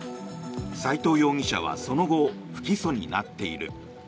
斎藤容疑者はその後、不起訴になっている。